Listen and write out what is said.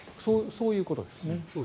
そういうことですね。